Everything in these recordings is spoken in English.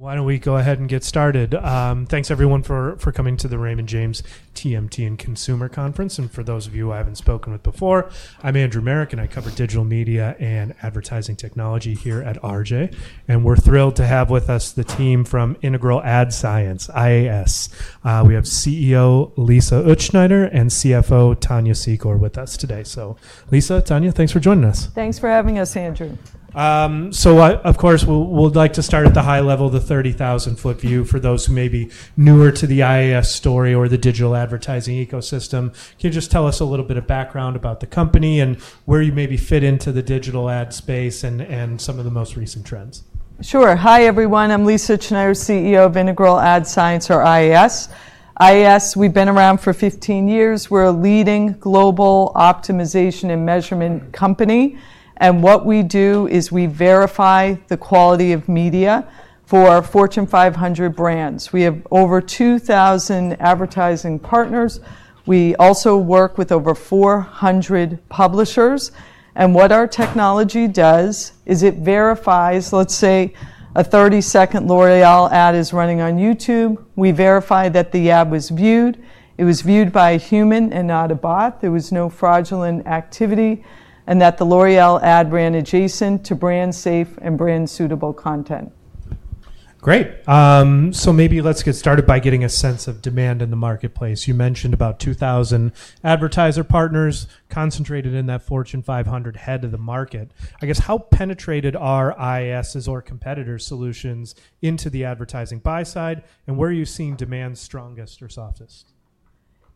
Why don't we go ahead and get started? Thanks, everyone, for coming to the Raymond James TMT and Consumer Conference. And for those of you I haven't spoken with before, I'm Andrew Marok, and I cover digital media and advertising technology here at RJ. And we're thrilled to have with us the team from Integral Ad Science, IAS. We have CEO Lisa Utzschneider and CFO Tania Secor with us today. So, Lisa, Tania, thanks for joining us. Thanks for having us, Andrew. So, of course, we'd like to start at the high level, the 30,000-foot view for those who may be newer to the IAS story or the digital advertising ecosystem. Can you just tell us a little bit of background about the company and where you maybe fit into the digital ad space and some of the most recent trends? Sure. Hi, everyone. I'm Lisa Utzschneider, CEO of Integral Ad Science, or IAS. IAS, we've been around for 15 years. We're a leading global optimization and measurement company. And what we do is we verify the quality of media for Fortune 500 brands. We have over 2,000 advertising partners. We also work with over 400 publishers. And what our technology does is it verifies, let's say, a 30-second L'Oréal ad is running on YouTube. We verify that the ad was viewed. It was viewed by a human and not a bot. There was no fraudulent activity. And that the L'Oréal ad ran adjacent to brand-safe and brand-suitable content. Great. So maybe let's get started by getting a sense of demand in the marketplace. You mentioned about 2,000 advertiser partners concentrated in that Fortune 500 head of the market. I guess, how penetrated are IAS's or competitors' solutions into the advertising buy-side? And where are you seeing demand strongest or softest?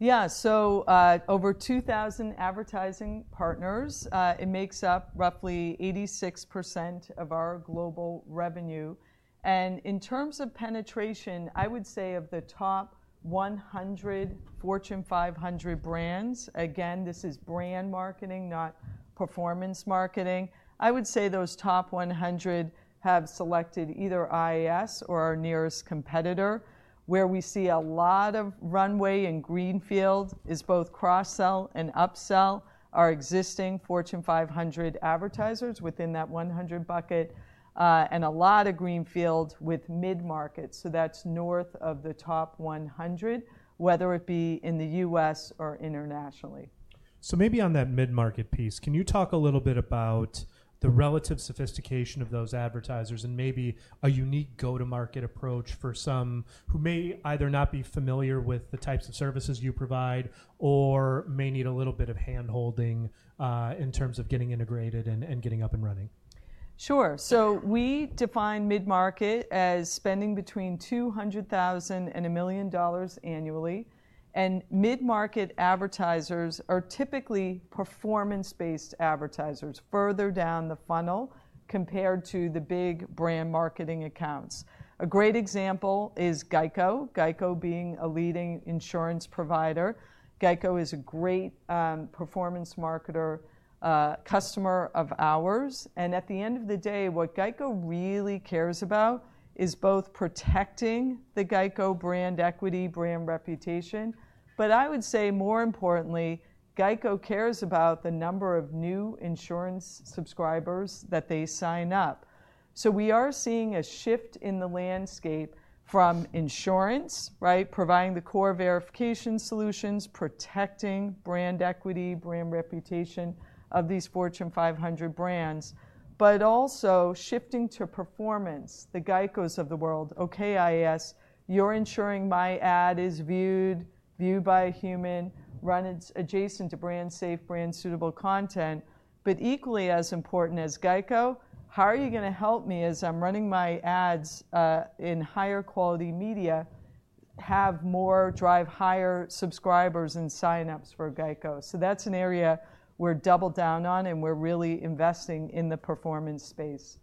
Yeah. So over 2,000 advertising partners, it makes up roughly 86% of our global revenue. And in terms of penetration, I would say of the top 100 Fortune 500 brands, again, this is brand marketing, not performance marketing, I would say those top 100 have selected either IAS or our nearest competitor. Where we see a lot of runway and greenfield is both cross-sell and up-sell our existing Fortune 500 advertisers within that 100 bucket, and a lot of greenfield with mid-market. So that's north of the top 100, whether it be in the U.S. or internationally. So maybe on that mid-market piece, can you talk a little bit about the relative sophistication of those advertisers and maybe a unique go-to-market approach for some who may either not be familiar with the types of services you provide or may need a little bit of hand-holding in terms of getting integrated and getting up and running? Sure. So we define mid-market as spending between $200,000 and $1 million annually. And mid-market advertisers are typically performance-based advertisers further down the funnel compared to the big brand marketing accounts. A great example is GEICO, GEICO being a leading insurance provider. GEICO is a great performance marketer customer of ours. And at the end of the day, what GEICO really cares about is both protecting the GEICO brand equity, brand reputation, but I would say more importantly, GEICO cares about the number of new insurance subscribers that they sign up. So we are seeing a shift in the landscape from insurance, providing the core verification solutions, protecting brand equity, brand reputation of these Fortune 500 brands, but also shifting to performance. The GEICOs of the world, "Okay IAS, you're ensuring my ad is viewed by a human, run adjacent to brand-safe, brand-suitable content." But equally as important as GEICO, how are you going to help me as I'm running my ads in higher quality media, have more, drive higher subscribers and sign-ups for GEICO? So that's an area we're double down on, and we're really investing in the performance space.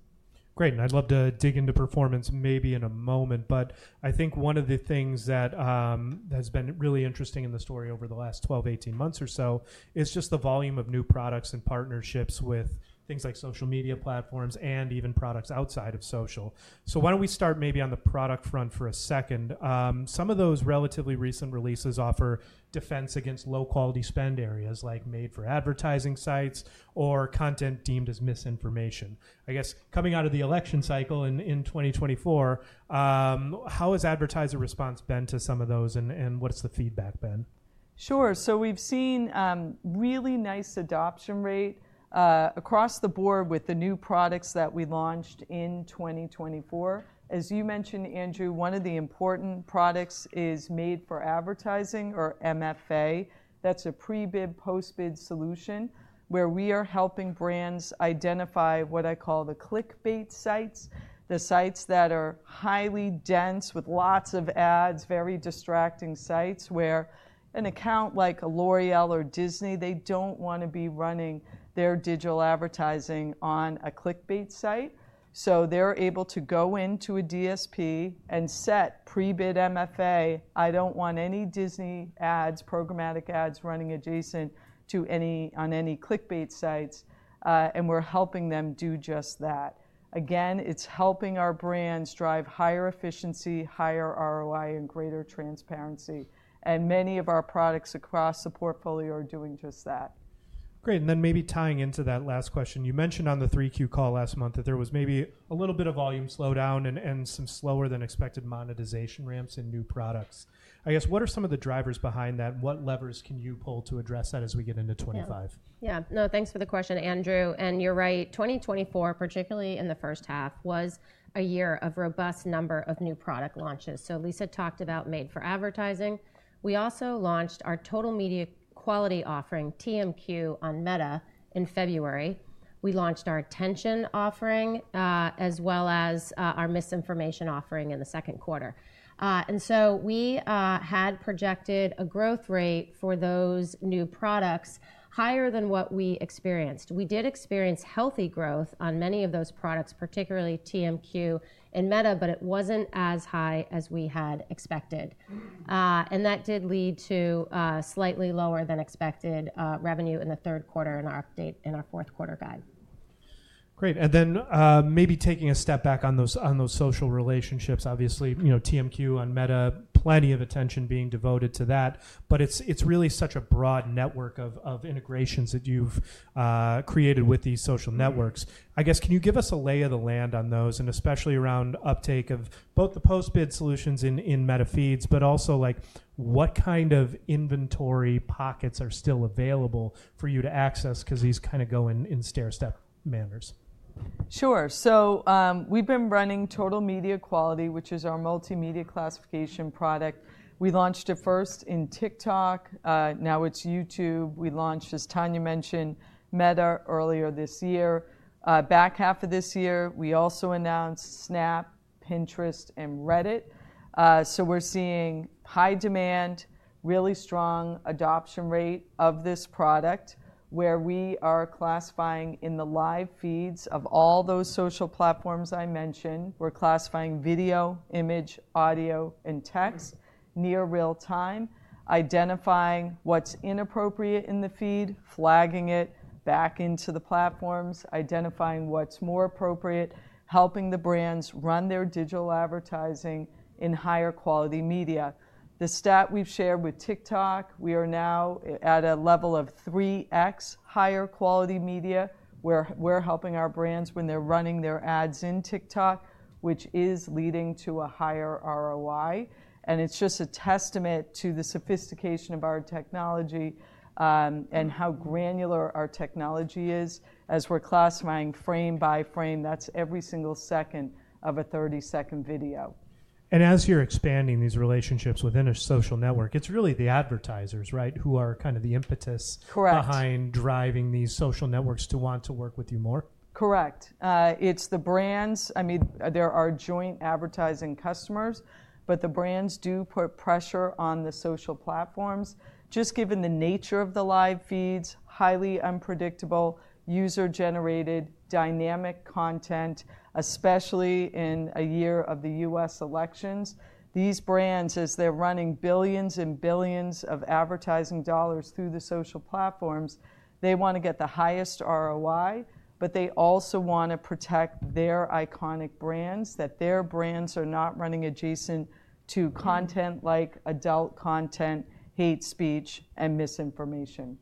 Great, and I'd love to dig into performance maybe in a moment, but I think one of the things that has been really interesting in the story over the last 12-18 months or so is just the volume of new products and partnerships with things like social media platforms and even products outside of social, so why don't we start maybe on the product front for a second? Some of those relatively recent releases offer defense against low-quality spend areas like made-for-advertising sites or content deemed as misinformation. I guess, coming out of the election cycle in 2024, how has advertiser response been to some of those, and what's the feedback been? Sure. So we've seen really nice adoption rate across the board with the new products that we launched in 2024. As you mentioned, Andrew, one of the important products is Made for Advertising, or MFA. That's a pre-bid, post-bid solution where we are helping brands identify what I call the clickbait sites, the sites that are highly dense with lots of ads, very distracting sites where an account like a L'Oréal or Disney, they don't want to be running their digital advertising on a clickbait site. So they're able to go into a DSP and set pre-bid MFA. I don't want any Disney ads, programmatic ads running adjacent on any clickbait sites. And we're helping them do just that. Again, it's helping our brands drive higher efficiency, higher ROI, and greater transparency. And many of our products across the portfolio are doing just that. Great. And then maybe tying into that last question, you mentioned on the 3Q call last month that there was maybe a little bit of volume slowdown and some slower-than-expected monetization ramps in new products. I guess, what are some of the drivers behind that? What levers can you pull to address that as we get into 2025? Yeah. No, thanks for the question, Andrew. And you're right, 2024, particularly in the first half, was a year of a robust number of new product launches. So Lisa talked about Made for Advertising. We also launched our Total Media Quality offering, TMQ, on Meta in February. We launched our attention offering as well as our misinformation offering in the second quarter. And so we had projected a growth rate for those new products higher than what we experienced. We did experience healthy growth on many of those products, particularly TMQ and Meta, but it wasn't as high as we had expected. And that did lead to slightly lower-than-expected revenue in the third quarter in our update in our fourth quarter guide. Great. And then maybe taking a step back on those social relationships, obviously, TMQ on Meta, plenty of attention being devoted to that. But it's really such a broad network of integrations that you've created with these social networks. I guess, can you give us a lay of the land on those, and especially around uptake of both the post-bid solutions in Meta feeds, but also what kind of inventory pockets are still available for you to access because these kind of go in stair-step manners? Sure. So we've been running Total Media Quality, which is our multimedia classification product. We launched it first in TikTok. Now it's YouTube. We launched, as Tania mentioned, Meta earlier this year. Back half of this year, we also announced Snap, Pinterest, and Reddit. So we're seeing high demand, really strong adoption rate of this product where we are classifying in the live feeds of all those social platforms I mentioned. We're classifying video, image, audio, and text near real time, identifying what's inappropriate in the feed, flagging it back into the platforms, identifying what's more appropriate, helping the brands run their digital advertising in higher quality media. The stat we've shared with TikTok, we are now at a level of 3x higher quality media where we're helping our brands when they're running their ads in TikTok, which is leading to a higher ROI. It's just a testament to the sophistication of our technology and how granular our technology is as we're classifying frame by frame. That's every single second of a 30-second video. As you're expanding these relationships within a social network, it's really the advertisers, right, who are kind of the impetus. Correct. Behind driving these social networks to want to work with you more? Correct. It's the brands. I mean, there are joint advertising customers, but the brands do put pressure on the social platforms. Just given the nature of the live feeds, highly unpredictable, user-generated, dynamic content, especially in a year of the U.S. elections, these brands, as they're running billions and billions of advertising dollars through the social platforms, they want to get the highest ROI, but they also want to protect their iconic brands, that their brands are not running adjacent to content like adult content, hate speech, and misinformation.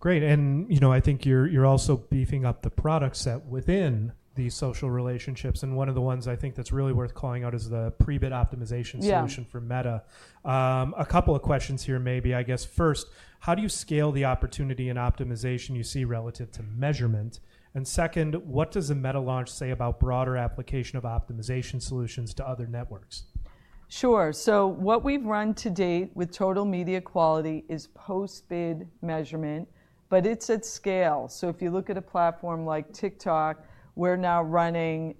Great. And I think you're also beefing up the product set within these social relationships. And one of the ones I think that's really worth calling out is the pre-bid optimization solution for Meta. A couple of questions here maybe. I guess, first, how do you scale the opportunity and optimization you see relative to measurement? And second, what does a Meta launch say about broader application of optimization solutions to other networks? Sure. So what we've run to date with Total Media Quality is post-bid measurement, but it's at scale. So if you look at a platform like TikTok, we're now running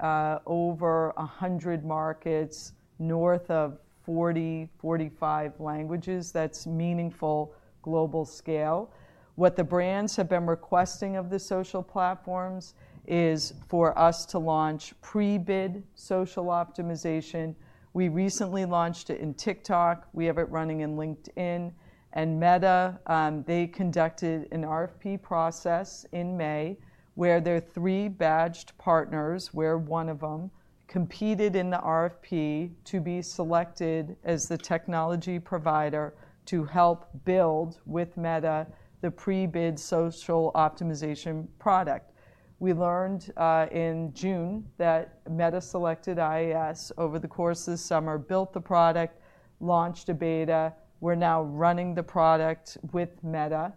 over 100 markets north of 40, 45 languages. That's meaningful global scale. What the brands have been requesting of the social platforms is for us to launch pre-bid social optimization. We recently launched it in TikTok. We have it running in LinkedIn. And Meta, they conducted an RFP process in May where their three badged partners, where one of them competed in the RFP to be selected as the technology provider to help build with Meta the pre-bid social optimization product. We learned in June that Meta selected IAS over the course of the summer, built the product, launched a beta. We're now running the product with Meta.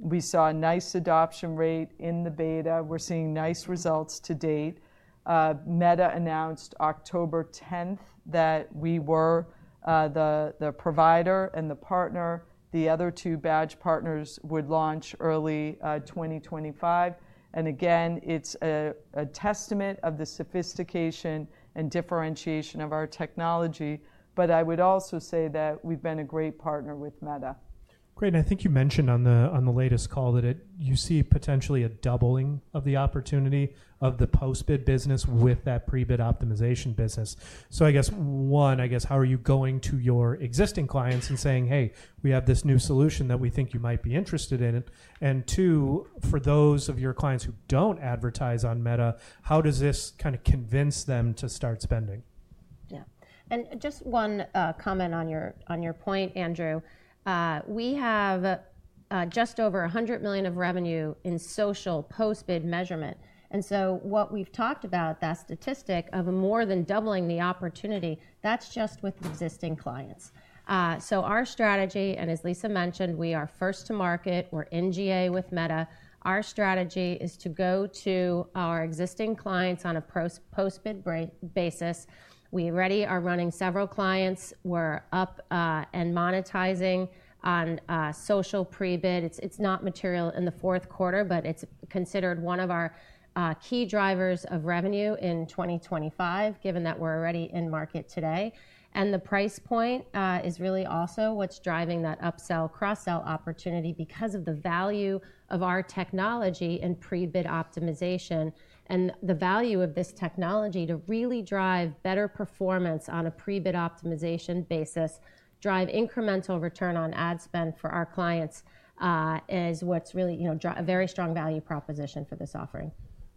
We saw a nice adoption rate in the beta. We're seeing nice results to date. Meta announced October 10 that we were the provider and the partner. The other two badged partners would launch early 2025. And again, it's a testament of the sophistication and differentiation of our technology. But I would also say that we've been a great partner with Meta. Great. And I think you mentioned on the latest call that you see potentially a doubling of the opportunity of the post-bid business with that pre-bid optimization business. So I guess, one, I guess, how are you going to your existing clients and saying, "Hey, we have this new solution that we think you might be interested in?" And two, for those of your clients who don't advertise on Meta, how does this kind of convince them to start spending? Yeah. And just one comment on your point, Andrew. We have just over $100 million of revenue in social post-bid measurement. And so what we've talked about, that statistic of more than doubling the opportunity, that's just with existing clients. So our strategy, and as Lisa mentioned, we are first to market. We're GA with Meta. Our strategy is to go to our existing clients on a post-bid basis. We already are running several clients. We're up and monetizing on social pre-bid. It's not material in the fourth quarter, but it's considered one of our key drivers of revenue in 2025, given that we're already in market today. And the price point is really also what's driving that upsell, cross-sell opportunity because of the value of our technology and pre-bid optimization. And the value of this technology to really drive better performance on a pre-bid optimization basis, drive incremental return on ad spend for our clients, is what's really a very strong value proposition for this offering.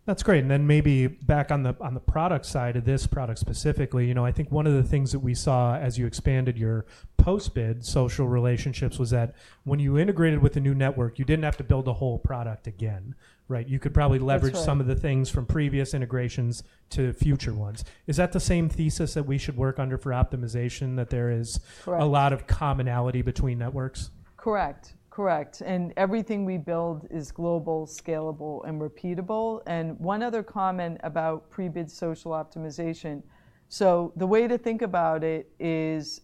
That's great, and then maybe back on the product side of this product specifically, I think one of the things that we saw as you expanded your post-bid social relationships was that when you integrated with a new network, you didn't have to build a whole product again, right? You could probably leverage some of the things from previous integrations to future ones. Is that the same thesis that we should work under for optimization, that there is a lot of commonality between networks? Correct. Correct. And everything we build is global, scalable, and repeatable. And one other comment about pre-bid social optimization. So the way to think about it is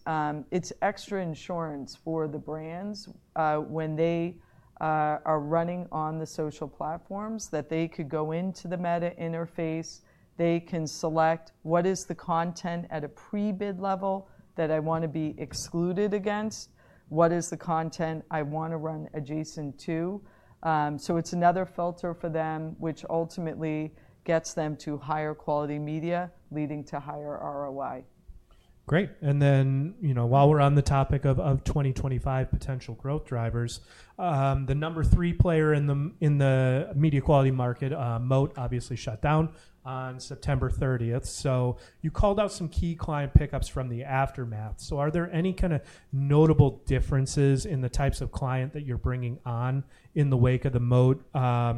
it's extra insurance for the brands when they are running on the social platforms that they could go into the Meta interface. They can select what is the content at a pre-bid level that I want to be excluded against, what is the content I want to run adjacent to. So it's another filter for them, which ultimately gets them to higher quality media, leading to higher ROI. Great. And then while we're on the topic of 2025 potential growth drivers, the number three player in the media quality market, Moat, obviously shut down on September 30. So you called out some key client pickups from the aftermath. So are there any kind of notable differences in the types of client that you're bringing on in the wake of the Moat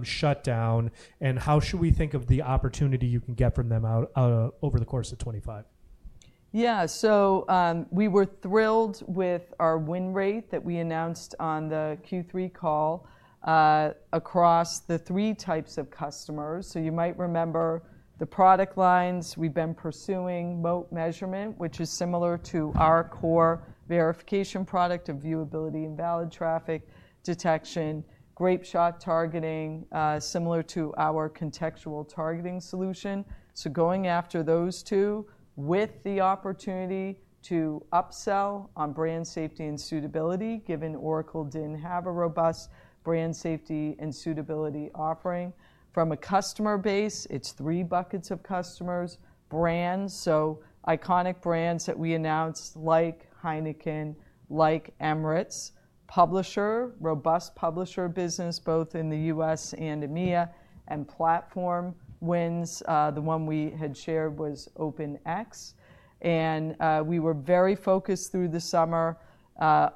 shutdown? And how should we think of the opportunity you can get from them over the course of 2025? Yeah. So we were thrilled with our win rate that we announced on the Q3 call across the three types of customers. So you might remember the product lines we've been pursuing, Moat measurement, which is similar to our core verification product of viewability and valid traffic detection, Grapeshot targeting, similar to our contextual targeting solution. So going after those two with the opportunity to upsell on brand safety and suitability, given Oracle didn't have a robust brand safety and suitability offering. From a customer base, it's three buckets of customers, brands, so iconic brands that we announced, like Heineken, like Emirates, publishers, robust publisher business both in the U.S. and EMEA, and platform wins. The one we had shared was OpenX. And we were very focused through the summer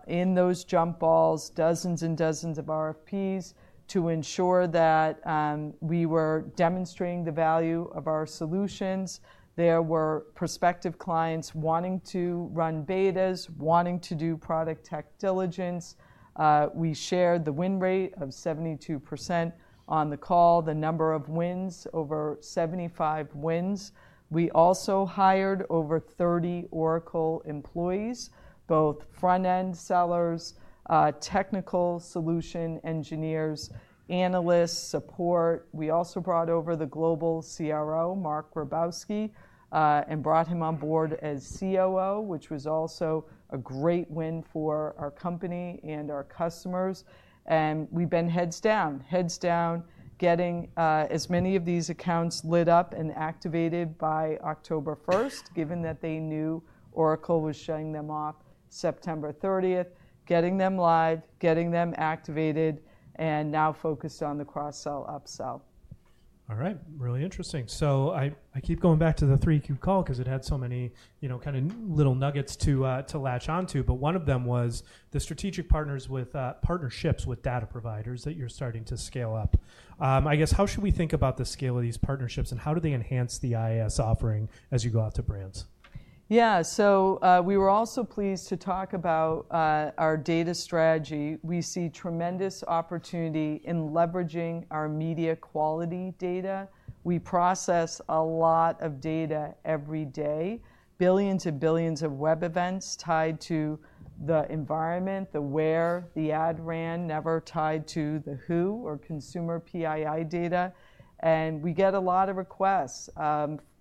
in those jump balls, dozens and dozens of RFPs to ensure that we were demonstrating the value of our solutions. There were prospective clients wanting to run betas, wanting to do product tech diligence. We shared the win rate of 72% on the call, the number of wins, over 75 wins. We also hired over 30 Oracle employees, both front-end sellers, technical solution engineers, analysts, support. We also brought over the global CRO, Marc Grabowski, and brought him on board as COO, which was also a great win for our company and our customers, and we've been heads down, heads down, getting as many of these accounts lit up and activated by October 1st, given that they knew Oracle was showing them off September 30th, getting them live, getting them activated, and now focused on the cross-sell, upsell. All right. Really interesting. So I keep going back to the Q3 call because it had so many kind of little nuggets to latch onto. But one of them was the strategic partnerships with data providers that you're starting to scale up. I guess, how should we think about the scale of these partnerships, and how do they enhance the IAS offering as you go out to brands? Yeah, so we were also pleased to talk about our data strategy. We see tremendous opportunity in leveraging our media quality data. We process a lot of data every day, billions and billions of web events tied to the environment, the where the ad ran, never tied to the who or consumer PII data, and we get a lot of requests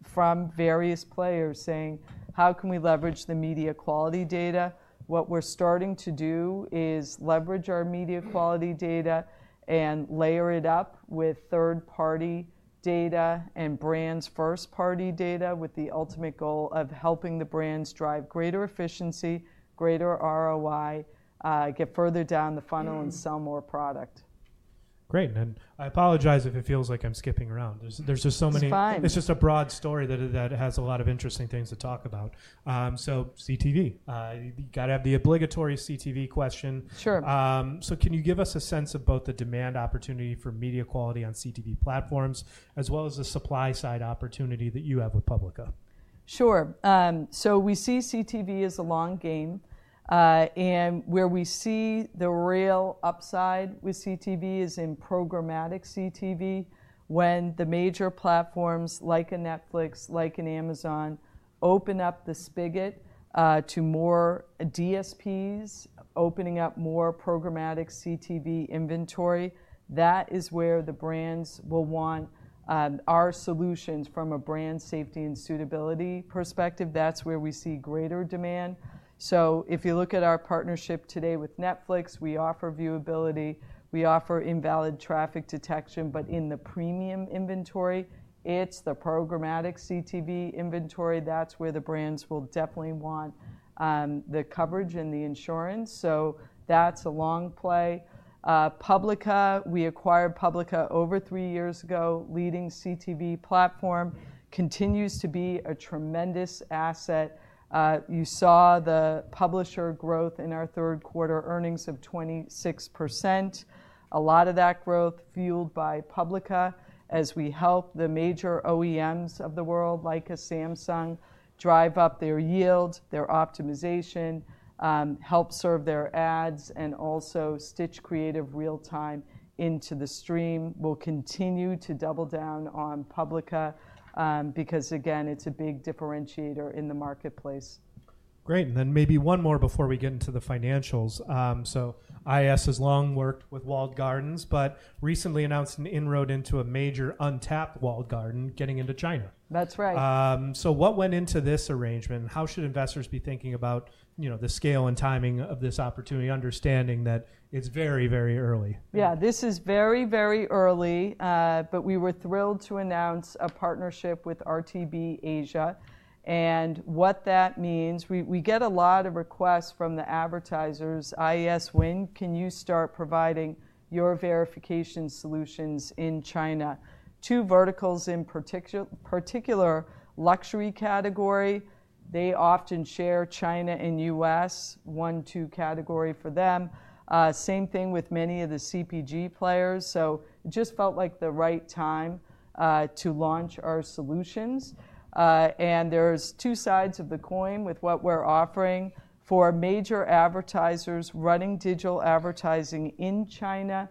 from various players saying, "How can we leverage the media quality data?" What we're starting to do is leverage our media quality data and layer it up with third-party data and brands' first-party data with the ultimate goal of helping the brands drive greater efficiency, greater ROI, get further down the funnel, and sell more product. Great. And I apologize if it feels like I'm skipping around. There's just so many. It's fine. It's just a broad story that has a lot of interesting things to talk about. So, CTV, you've got to have the obligatory CTV question. Sure. So can you give us a sense of both the demand opportunity for media quality on CTV platforms as well as the supply-side opportunity that you have with Publica? Sure. So we see CTV as a long game. And where we see the real upside with CTV is in programmatic CTV. When the major platforms like Netflix, like Amazon, open up the spigot to more DSPs, opening up more programmatic CTV inventory, that is where the brands will want our solutions from a brand safety and suitability perspective. That's where we see greater demand. So if you look at our partnership today with Netflix, we offer viewability. We offer invalid traffic detection, but in the premium inventory, it's the programmatic CTV inventory. That's where the brands will definitely want the coverage and the insurance. So that's a long play. Publica, we acquired Publica over three years ago, leading CTV platform, continues to be a tremendous asset. You saw the publisher growth in our third quarter earnings of 26%. A lot of that growth fueled by Publica, as we help the major OEMs of the world, like Samsung, drive up their yield, their optimization, help serve their ads, and also stitch creative real-time into the stream. We'll continue to double down on Publica because, again, it's a big differentiator in the marketplace. Great. And then maybe one more before we get into the financials. So IAS has long worked with walled gardens, but recently announced an inroad into a major untapped walled garden getting into China. That's right. So what went into this arrangement? How should investors be thinking about the scale and timing of this opportunity, understanding that it's very, very early? Yeah. This is very, very early. But we were thrilled to announce a partnership with RTBAsia. And what that means, we get a lot of requests from the advertisers, "IAS, when can you start providing your verification solutions in China?" Two verticals in particular, luxury category. They often share China and U.S., one-two category for them. Same thing with many of the CPG players. So it just felt like the right time to launch our solutions. And there's two sides of the coin with what we're offering. For major advertisers running digital advertising in China,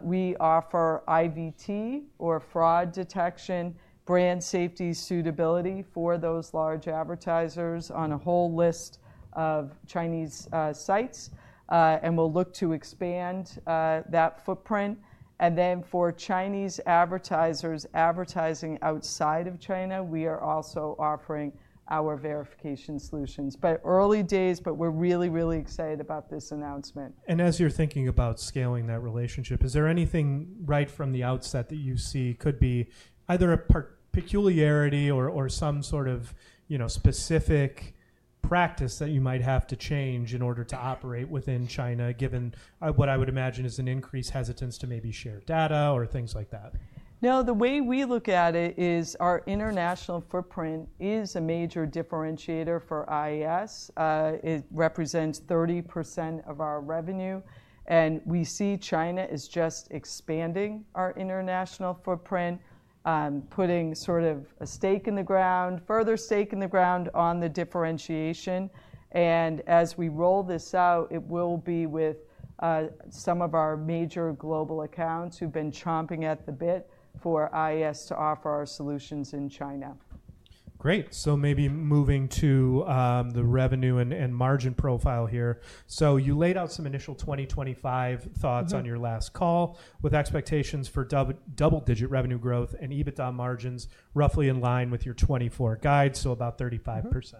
we offer IVT or fraud detection, brand safety, suitability for those large advertisers on a whole list of Chinese sites. And we'll look to expand that footprint. And then for Chinese advertisers advertising outside of China, we are also offering our verification solutions. But early days, but we're really, really excited about this announcement. As you're thinking about scaling that relationship, is there anything right from the outset that you see could be either a peculiarity or some sort of specific practice that you might have to change in order to operate within China, given what I would imagine is an increased hesitance to maybe share data or things like that? No. The way we look at it is our international footprint is a major differentiator for IAS. It represents 30% of our revenue, and we see China is just expanding our international footprint, putting sort of a stake in the ground, further stake in the ground on the differentiation, and as we roll this out, it will be with some of our major global accounts who've been chomping at the bit for IAS to offer our solutions in China. Great. So maybe moving to the revenue and margin profile here. So you laid out some initial 2025 thoughts on your last call with expectations for double-digit revenue growth and EBITDA margins roughly in line with your 2024 guide, so about 35%.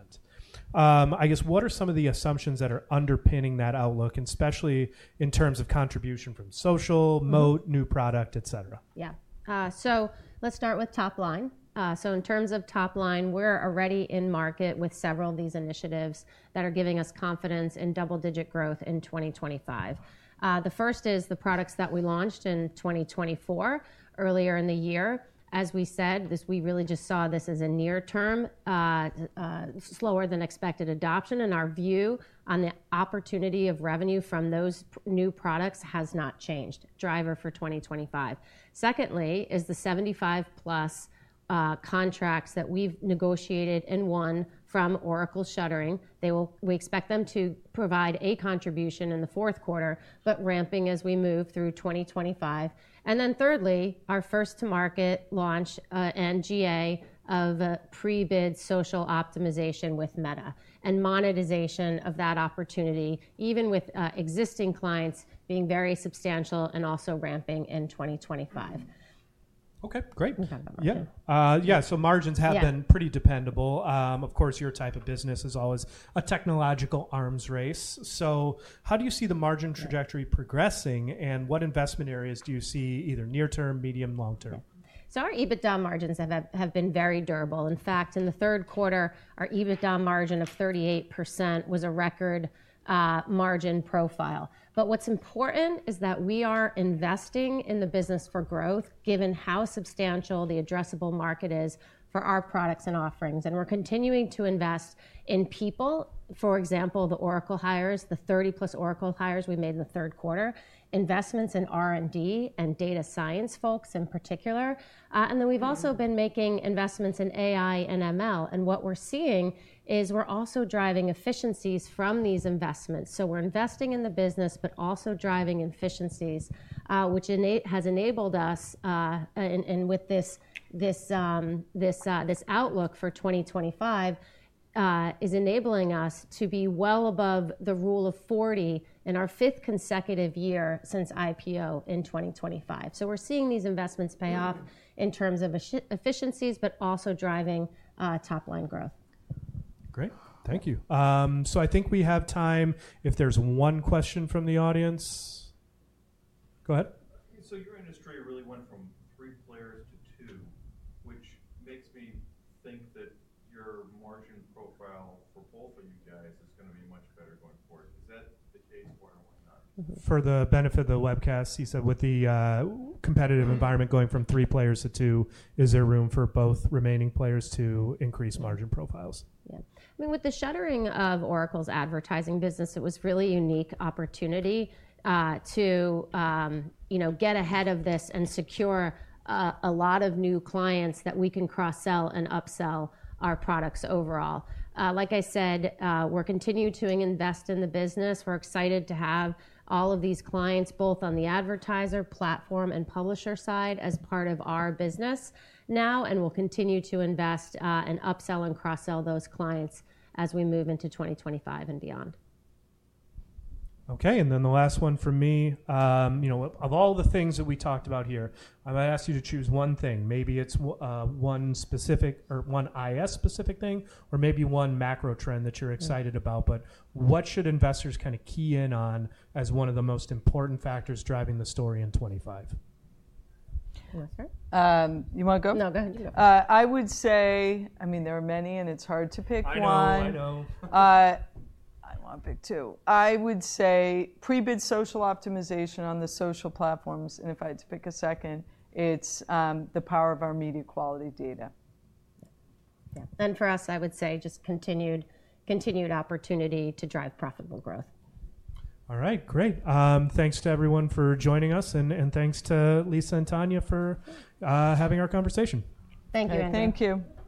I guess, what are some of the assumptions that are underpinning that outlook, especially in terms of contribution from social, Moat, new product, et cetera? Yeah. So let's start with top line. So in terms of top line, we're already in market with several of these initiatives that are giving us confidence in double-digit growth in 2025. The first is the products that we launched in 2024. Earlier in the year, as we said, we really just saw this as a near-term, slower-than-expected adoption. And our view on the opportunity of revenue from those new products has not changed. Driver for 2025. Secondly is the 75-plus contracts that we've negotiated and won from Oracle's shuttering. We expect them to provide a contribution in the fourth quarter, but ramping as we move through 2025. And then thirdly, our first-to-market launch and GA of Pre-bid Social Optimization with Meta and monetization of that opportunity, even with existing clients being very substantial and also ramping in 2025. OK. Great. We'll talk about that. Yeah. Yeah. So margins have been pretty dependable. Of course, your type of business is always a technological arms race. So how do you see the margin trajectory progressing? And what investment areas do you see either near-term, medium, long-term? So our EBITDA margins have been very durable. In fact, in the third quarter, our EBITDA margin of 38% was a record margin profile. But what's important is that we are investing in the business for growth, given how substantial the addressable market is for our products and offerings. And we're continuing to invest in people, for example, the Oracle hires, the 30-plus Oracle hires we made in the third quarter, investments in R&D and data science folks in particular. And then we've also been making investments in AI and ML. And what we're seeing is we're also driving efficiencies from these investments. So we're investing in the business, but also driving efficiencies, which has enabled us. And with this outlook for 2025, it is enabling us to be well above the Rule of 40 in our fifth consecutive year since IPO in 2025. So we're seeing these investments pay off in terms of efficiencies, but also driving top-line growth. Great. Thank you. So I think we have time. If there's one question from the audience, go ahead. So your industry really went from three players to two, which makes me think that your margin profile for both of you guys is going to be much better going forward. Is that the case, or why not? For the benefit of the webcast, he said with the competitive environment going from three players to two, is there room for both remaining players to increase margin profiles? Yeah. I mean, with the shuttering of Oracle's advertising business, it was a really unique opportunity to get ahead of this and secure a lot of new clients that we can cross-sell and upsell our products overall. Like I said, we're continuing to invest in the business. We're excited to have all of these clients both on the advertiser, platform, and publisher side as part of our business now, and we'll continue to invest and upsell and cross-sell those clients as we move into 2025 and beyond. OK. And then the last one for me. Of all the things that we talked about here, I might ask you to choose one thing. Maybe it's one specific or one IAS-specific thing, or maybe one macro trend that you're excited about. But what should investors kind of key in on as one of the most important factors driving the story in 2025? You want to go? No. Go ahead. I would say, I mean, there are many, and it's hard to pick one. I know. I want to pick two. I would say Pre-bid Social Optimization on the social platforms, and if I had to pick a second, it's the power of our media quality data. Yeah. And for us, I would say just continued opportunity to drive profitable growth. All right. Great. Thanks to everyone for joining us, and thanks to Lisa and Tania for having our conversation. Thank you. Thank you.